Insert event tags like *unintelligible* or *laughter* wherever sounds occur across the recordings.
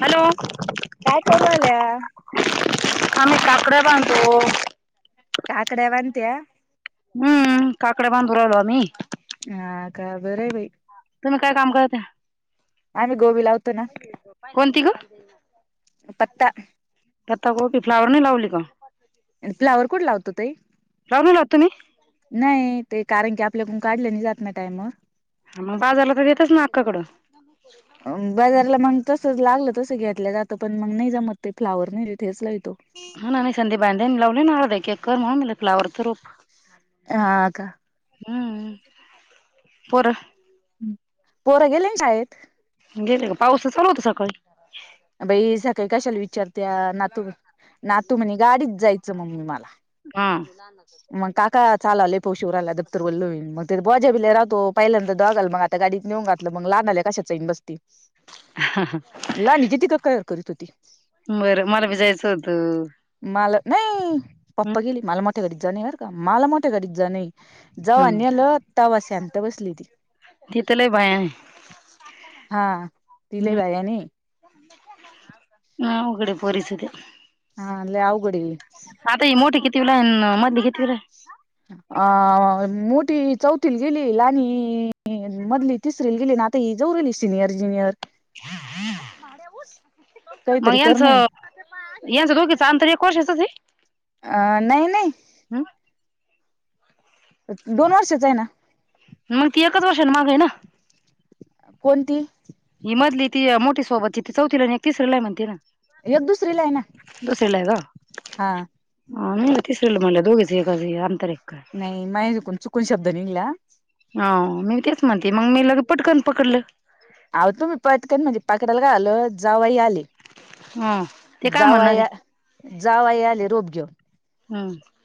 Hello. काय करू राहिल्या आम्ही काकड्या बांधतो. काकड्या बांत्या. हम्म काकड्या बांधू राहीलो आम्ही. ह का बरे बाई. तुम्ही काय काम करता आहे. आम्ही गोबी लावतो ना. कोणती ग. पता. पत्ता कोबी फ्लॉवर नाही लावली का? आणि फ्लॉवर कोठ लावतो ताई? फ्लावर नाही लावत तुम्ही नाही ते कारण की आपल्याल काढलं नाही जात नाही टाईमा वर मग बाजारला येतच ना अक्का कड. बाजारला मग तस लागलं तस घेतलं जात पण मग नाही जमत ते फ्लॉवर *unintelligible* ह ना नाही संधी लावले ना के कर म म फलावर तर ह का? हम्म पोर. पोरं गेले ना शाळेत. गेले का पाऊस तर रोजचा होत सकाळी. बाई सकाळी कशाला विचारते ना तू नातू म्हणे गाडीच जायचं मम्मी मला. हा. मग काका चा लले पो शिवराला *unintelligible* बोजा बी लय तो पहिल्यानंतर दघाल मग आता गाडीत नेऊन घातलं मग लहान आल्या कशाचाईन बस्तील. रिकामा ऑडिओ लाहनीच्या *unintelligible* करीत होती. बरं मला बी जायचं होतं. मला नाही पप्पा हम्म गेली मला मोठ्या गाडीत जाणे बर का मला मोठ्या गाडीत जाणे. जवा हम्म नेहल तवा शांत बसली ती. तिथं लय भयान आहे हा तिले भारी आहे नि.. रिकामा ऑडिओ रिकामा ऑडिओ ह उघडे पोरी सत. हा लय अवघड आहे. आता ही मोठी कितवी ला हाय मधली कितवीत? अ मोठी चौथीत गेली लहानी.. मधली तिसरीत गेली ना आता ही जाऊ सिनियर जिनियर. मग काहीतरी कर नाही ह्यांचं.. यां दोघीच अंतर एक वर्षाचचं आहे. अ नाही नाही. हम् दोन वर्षच आहे ना. मग ती एकच वर्षाने माग आहे ना. कोणती? ही मधली ती मोठी सोबत ति ती चौथीला आणि एक तिसरीलाय म्हणते ना. एक दुसरीला आहे ना दुसरीला आहे हा ग. ह नाही तिसरेला म्हणलं दोघेच एकाच अंतर आहे. नाही मा चुकून शब्द निघला. हो मी तेच म्हणते मग मी लगेच पटकन पकडलं. आहो तुम्ही पटकन म्हणजे पकडाला का आलो जाऊई आले.. ह ते काय जावई म्हणणार आहे या जावय आले रोप घेऊन. हम्म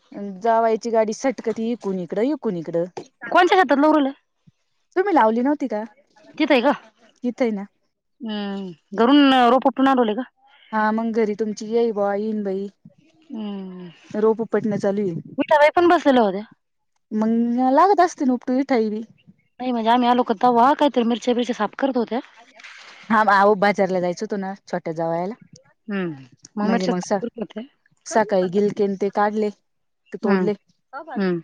जावायची गाडी सटकत इकून इकडं इकून इकडं. कोणच्या शेतात लावू राहिल्या तुम्ही लावली नवं तिथं आहे का हम् घरून रोप मागवले का? हा मग घरी तुमची येई बॉ येईन बाई. हम्म रोप उपटण चालू आहे. विठाबाई पण बसलेल्या होत्या मंग लागत आस तन उपटू इथं ही. नाही म्हणजे आम्ही लोकांता वा कायतरी मिरच्या बिरच्या साफ करत होत्या. हा आहो बाजारला जायचं होतो ना छोट्या जावयाला. हम्म म्हणजे मिरच्या मग साफ स करत होत्या सकाळी गिलकन ते काढले. हम्म तोडले हम्म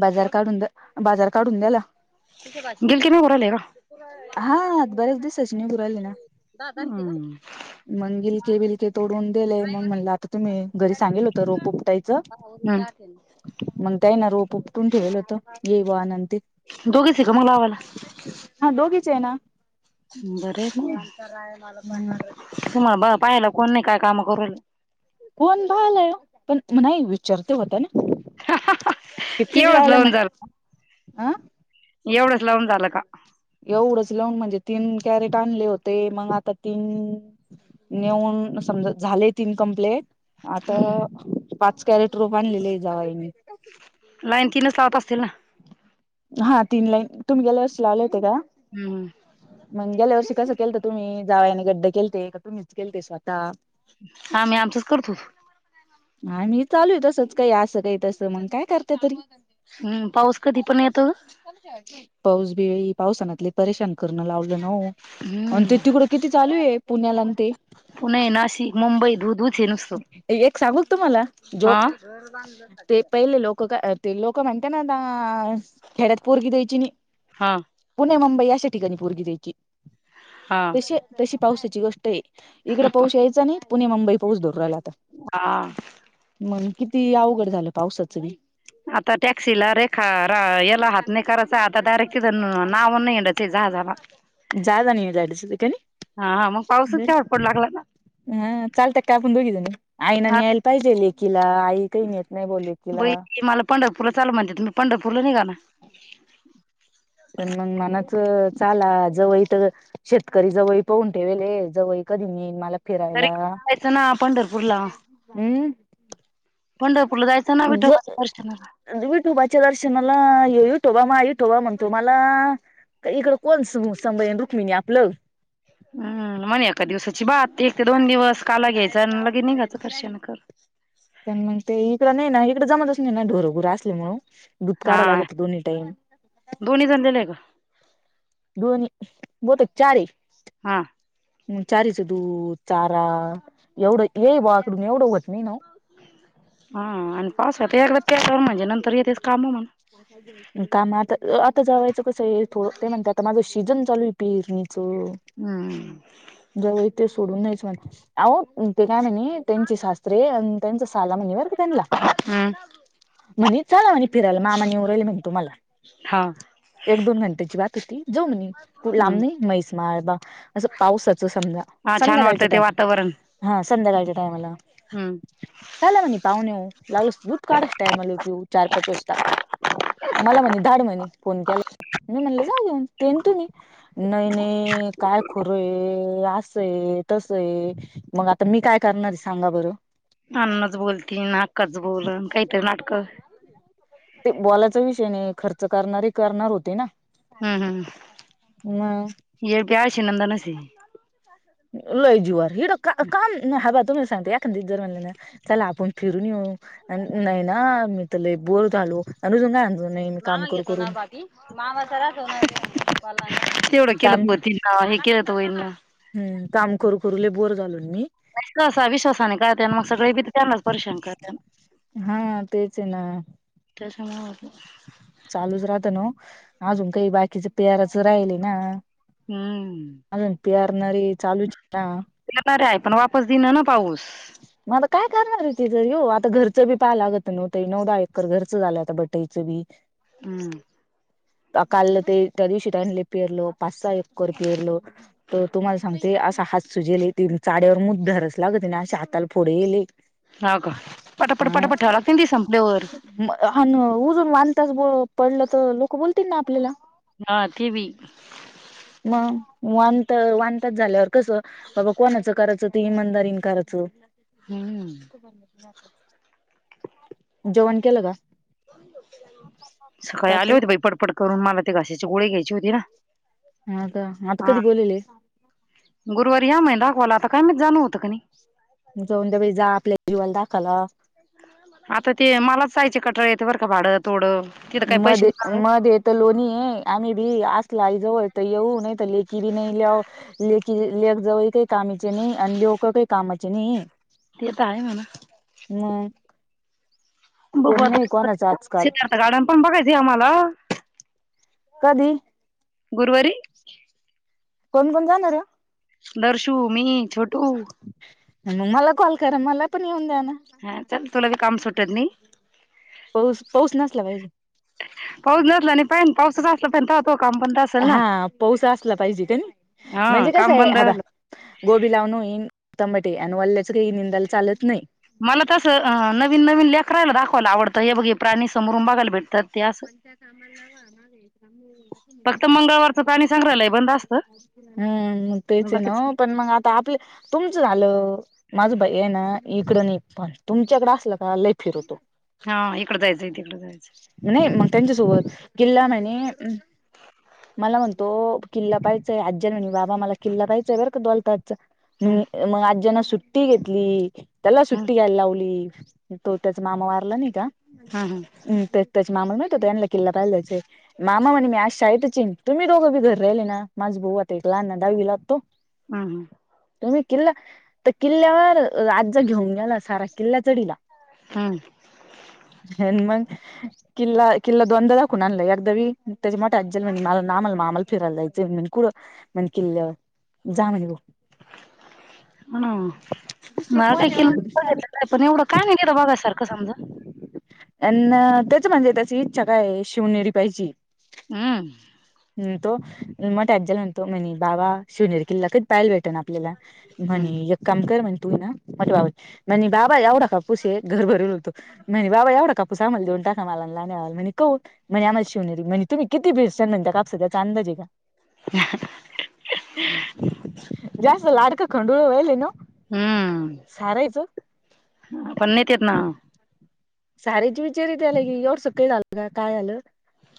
बाजार काढून द बाजार काढून द्याला. गिलतीने होरलेग.. बरेच दिसच निघू राहिले ना मग गिलके बिलके तोडून... य मग म्हणलं आता तुम्ही घरी सांगेल होत रोप उटायचं... *unintelligible* मग काही ना रोप उपटून ठेवेल होत येईव आनंती... दोघ स क मंगलावाल... हा दोघीचे आहे ना... बर तुम्हाला पाहिलं कोणी काय काम करू... कोण भालय पण नाही विचारते होत ना.... कीती कला एवढंच आला म लावून झालं अ... एवढंच लावून झालं का... एवढंच लावून म्हणजे तीन कॅरेट आणले होते मग आता तीन.... नेऊन समजा झाले तीन कम्प्लेट.... आता हम्म पाच.... लाईन तीनच.... हा तीन लाईन... हम् हम.... मग गेल्या वर्षी कसं केलतं तुम्ही जावायाने गड्डे केलते का तुमच केलते स्वतः.. आम्ही आमचच करतो. हा मी चालू आहे तसंच काही असं काही तसं मग काय करता तरी.... हम्म पाऊस कधी पण येतो.. पाऊस बिळी पावसानातले परेशान करणं लावलं न.. आणि ते हम्म तिकडं किती चालू आहे पुण्याला आणि ते... पुणे, नाशिक, मुंबई दूधूच नुसतं एक सांगू का तुम्हाला हा... जोक ते पहिले लोक ते लोकं म्हणते ना आता खेड्यात पोरगी द्यायची नाही... हा... पुणे मुंबई अशा ठिकाणी पोरगी द्यायची हा तशी तशी पावसाची गोष्ट आहे... इकडे पाऊस यायचा नाही पुणे मुंबई पाऊस दर रायला आता... हा... मग किती अवघड झालं पावसाचं.... आता टॅक्सी ला रे.... ख र एला हत्न करास आता दारकन नावन हिडते जहा जला... जा जाणी जासते कानी.. हा मग पाऊसच तेवढा पडू लागला ना हा चालतात आपले व्हिडिओ हा आईने न्यायला पाहिजे तिला... होय की मला पंढरपूरला चल म्हणत्यात पंढरपूरला निघालो.... मनाचं चाला जवलतीत... शेतकरी जवळी पहून ठेवेले जवळ कधी मी.... तरी फिरायला जायचं ना पंढरपूरला हम्म.... पंढरपूरला जायचं आहे हम्म.... ज.... विठोबाच्या दर्शनाला माय विठोबा म्हणतो मला... इकडं कोण समय रुक्मिणी आपल... हम्म म्हणे एका दिवसाची बात एक ते दोन दिवस काला घ्यायचा आणि निघायचं दर्शन करून... पण मग ते इकडे नाही ना इकडं जमतच नाही ना ढोर घुरं असल्यामूळ दूध हा काढावं लागत दोन टाइम... दोन्ही धांधे नाही का? दोनही बहुतेक चार आहे..... हा.... चारीचं दूध चारा एवढं येई बाकडून एवढंघत मी नाव.... हा आन पावसात.... नंतर येतेच काम म्हण कानात आता जावयाच कस आहे म्हणे ते म्हणतात थोड माझ शिक्षण..... हम्म *unintelligible* जव इ ते सोडून द्यायचं म्हणं. अओ ते काय म्हणी त्यांची शास्त्रे आणि त्यांच साला म्हणे बरं का त्यानला हम्म. म्हणे चला म्हणे फिरायला, मामा नेऊ राहिले म्हणे तुम्हाला. हा एक दोन घंट्याची बात होती. जाऊ म्हणी. कुठ लाम हम्म नाही, म्हैसमाळ, बा असं पावसाच समजा. हा छान संध्याकाळच्या वाटतं ते टायम, वातावरण हा संध्याकाळच्या टायमाला. हम्म. चला म्हणी पावणेहो. लागलस दूध काढायचा टायमाला येऊ की ऊ, चार पाच वाजता. मला म्हणे, धाड म्हणे फोन केला. म म्हणलं जा घेऊन, तेन तुम्ही. नाही नाही, काय खरंय असय, तसय मग आता मी काय करणार सांगा बरं? अन्नाच बोलती, ना आक्काच बोलण, काहीतरी नाटकं. ते बोलायचा विषय नाही, खर्च करणारी करणार होते ना. हम्म हम्म म *unintelligible* लय जीवार, हिड का काम हवा तुम्ही सांगते, एखाद दिस जर म्हणलं ना, चला आपण फिरून येऊ. नाही ना, मी तर लय बोर झालो. *unintelligible* मामा घेतो ना करून बाती. *unintelligible* तेवढं केलंत काम म तेनी. *unintelligible* हम्म काम करू करू, लय बोर झालो मी. कस विश्वासाने गळत्यात, मग सगळीबी त्यांनाच परेशान करत्यात. हा तेच हायना. तसं म्हणू की. चालूच राहत न्हवं, अजून काही बाकीच पेराच राहिल ना. हम्म. अजून पेरणारी चालूच, हा. येणार हाय, पण वापस दिना नं पाऊस. मग आता काय करणार हो तिजं ह्यो? आता घरचं बी पाहाय लागत नव्ह ताई. नऊ धा एकर घरचं झालं आता ब टयच बी. हम्म. काल ते त्यादिवशी त्यांनली पेरलं, पाचसा एकर पेरलं. तर तुम्हाला सांगते, असा हात सुजेले तिनं चाड्यावर मूद धरसला हवका तिने असे हात ताला फोड येले. हां गं. पटापट पटापट ठलावतेनी संपलेवर. म अ उजून *unintelligible* पडलं, तर लोक बोलतील ना आपल्याला. हा ती बी. मग वानथ वानथच झाल्यावर कसं बाबा कोणाचं कराचं, ते इमादारीन कराचं. हम्म जेवण केलं का? सकाळी का आले ताई होते बाई पडपड करून, मला ते घशाची गोळी घ्यायची होती ना. हा त, आता हा कधी बोलावले? गुरुवारी या म्हणे दाखवायला, आता काय माहित चालू होतं क नाही. जाऊन द्या बाई, जा आपल्या जीवाला दाखाला. आता ते मलाच जायचे कटाळा येते बरं का, भाडं तोडं मध्ये मध्ये तर लोणी आहे, आम्ही बी असलं आईजवळ तर येऊ नाय तर लेकी भी नाही आल्याव, लेकी लेक जावई काय कामाचे नाही आणि ल्योक काही कामाचे नाही. ते त आहे म्हणा. मग बघु कोण नाही आता कोणाच आजकाल सिद्धार्थ गार्डन पण बघायचं आम्हाला कधी? गुरवारी कोण कोण जाणार? दर्शु, मी, छोटु मंग मला कॉल करा मला पण येऊन द्या ना हा चल तुला बी काम सुटत नाही पऊस पाऊस नसला पाहिजे *unintelligible* हो काम बंद ए हा पाऊस असला पाहिजे कनी हा म्हणजे कस काम ए बंद राहिलं गोबी लावणं होइल तंबाटे आणि वल्ल्याच काही निंदाल चालत नाही. मला तसं नवीन नवीन लेकरायला दाखवायला आवडतं हे बघे हे प्राणी समोरून बघायला भेटतात. ते *unintelligible* असं फक्त मंगळवारचं प्राणी संग्रहालय बंद असतं हम्म मग तेच आहे ना बाकीच ओ पण मग आप पापल तुमचं झालं माझं भई ए ना इकडं नी पण तुमच्याकड असलं का लई फिरतो. हा इकडं जायचंय तिकडं जायचं नाही म त्यांच्या सोबत किल्ला मनी मला म्हणतो किल्ला पाहियच आज्जन बाबा मला किल्ला पाहायचंय बरं का दोलताच हम्म म म आज्यान सुट्टी घेतली त्याला हम्म सुट्टी घ्यायला लावली तो त्याचा मामा मारला नाही का हा हा हम्म तेच त्याच मामाला माहिती होत त्यांला किल्ला पाहिला जायच ये मामा म्हणे मी आज शाळेतच येईन तुम्ही दोघ राहिले ना माझ भाऊ आता एक लहानगा दहावीला असतो हम्म हम्म तुम्ही किल्ला तर किल्ल्यावर अ आजा घेऊन गेला सारा किल्ला चढीला हम्म हेन म किल्ला किल्ला दोनदा दाखवून आणलाय एकदा त्याची मोठी आजी म्हणली मला आमाला फिरायला जायचयं *unintelligible* जा म्हणे ग हम्म दुसर मला कोण काय आहे केलं ए बघितलं पण एवढं काय नाही बघा सारंख समजा अन तेच म्हणजेे त्याची इच्छा का आहे शिवनेरी पहायची हम्म तो मोठ्या आज्याला म्हणतो म्हणी बाबा शिवनेर किल्ला कध पायल भेटन आपल्याला हम्म म्हणी काम कर म्हण तू ना म्हणी बाबा एवढा का पुसेत घर भरून होतो म्हने बाबा एवढा कापूस आम्हाला देऊन टाका मला आणि लहान्या भावाला म्हणी कौन म्हणे आम्हाला शिवनु म्हणी तुमी काप सध्याचा अंदाजे का *unintelligible* जास्त लाडकं खंडुळ व्हायल ना हम्म सारायचं पण नेतेेत ना सारेच विचारी त्याला की एवढ सकळी काय झालं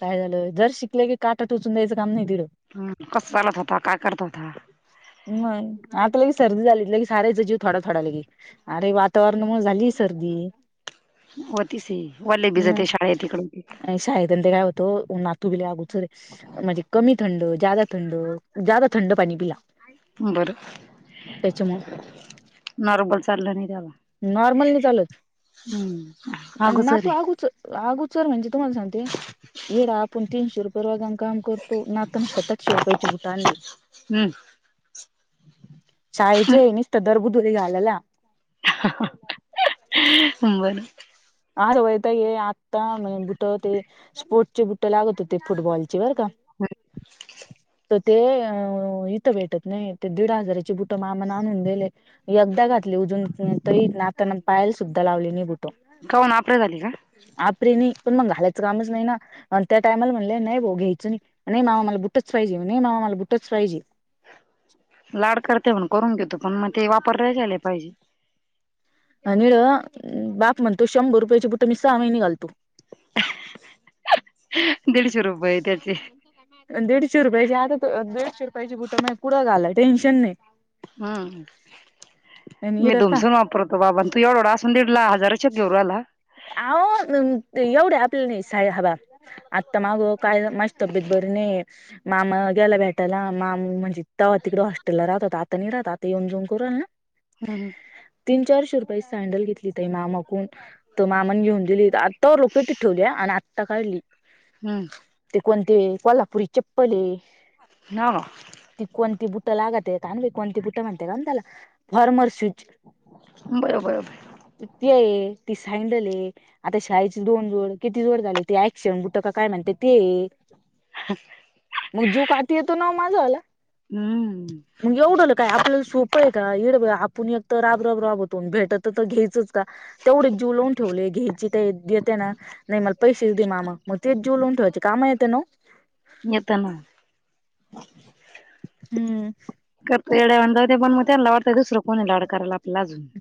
काय झालं जर शिकलंय की काटा टोचून द्यायचं काम नाही तिडं हम्म कसं चालत होता, काय करत होता म आता लगेच सर्दी झालीत लगी सारायचा जीव थोडा थोडा लगी अरे वातावरणामुळे झाली सर्दी होतीसी वोले बीजाते शाळेेत तिकडं का ते काय होतो नातू बी लई आगु सरे म्हणजे कमी थंड, जादा थंड, जादा थंड पाणी पिला बरं. त्याच्यामुळे नॉर्बल चाललं नाही त्यावा नॉर्मल नाही चालत हम्म, आणि ना अगोचर तू आहे आगुचर आगोचर म्हणजे तुम्हाला सांगते येडा आपण तीनशे रुपये परवागम काम करतो नाताना सातचशे रुपयाची बुट आणली. शाळेचे नसत दरबुदुरी घालला. ब ना आ वयता ये आत्ता बुट ते स्पोर्ट चे ब लागत होते फुटबॉलचे बर का तर ते अ भेटत नाही ते दीड हजाराची बुट मामाना आणून दिले एकदा घातली उजून तरी नाताना पायल सुद्धा लावली नि बुटो कावन अपरा झाली का आपरी नाही पण मग घालायचं कामच नाही ना त्या टाइमाला म्हणलेय नाही ब घ्यायच. नाही मामा मला बुटच पाहिजेण नाही मामाला बटच पाहिजे. लाड करते म्हण करून घेतो पण मग ते वापर राले पाहिजे. आणिळ बाप म्हणतो शंभर रुपयाची बुटठं मी सहा महिने घालतो. दिडशर बय त्याचे. दीडशे रुपयाची आता दीडशे रुपयाची बुटं म कुं घालाय टेनशन नाही. हम्म आणि मी इड पहा मसून वापरतो बाबा तू एवढढा असून दिडला. हजाराच्या गेर आला *inaudible* अहो एवढ्या आपल्या सा हवा आत्ता माग काय माझ तब्येत बर त नाही. मामा गेला भेटायला मामी म्हणजे्हा तिकडे हॉस्टेलला राहत होता आता नाही राहत आता येऊन जाऊन करूल ना, ह तीन चारशे रुपया सँडल घेतली त मामाकून. त मामानी घेऊन दिली आता रोपेटी ठेवली आणि आत्ता काळली हम्म. ते कोणते कोल्हापुरी चप्पले आहे. नव त कोणती बुट लागत कान ब कोणती बुट म्हणतेे कातला फारमर स्विच. बरों बरो ब. ती आहे ती सँडल आहे आता शाळेची दोन जोड किती जोड झाले. ते ऐ शेवण बुट का काय म्हणते ते. मग जीव कााती येतो ना माझा आला हम्म. मग एवढंलं काय आपल्याला सोपं आहे का इड आपण एकत राबराब राब होतो भेटत. तर घ्यायच का तेवढे जिव लावून ठेवले घ्यायची देत ना. नाही मला पैसेच दे मामा मग तेच जीव लावून ठेवायचे कामा येते ना. इ त्यां ना. हम्म. करत येड्या बधव पण म त्यांना वाटतंय दुसर कोणी लड करायला आपला अजून. ह.